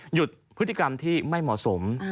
หยุดพฤติกรรมที่ไม่เหมาะสม